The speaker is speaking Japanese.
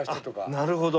なるほど。